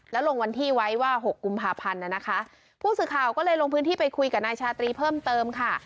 แล้วลงวันที่ไว้ว่าหกกุมภาพันธ์น่ะนะคะผู้สื่อข่าวก็เลยลงพื้นที่ไปคุยกับนายชาตรีเพิ่มเติมค่ะ